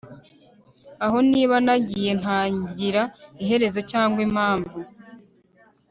Aho niba nagiye ntagira iherezo cyangwa impamvu